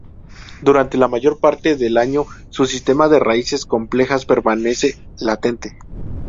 Durante la mayor parte del año su sistema de raíces complejas permanece latente.